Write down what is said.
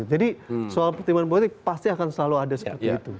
jadi soal pertimbangan politik pasti akan selalu ada seperti itu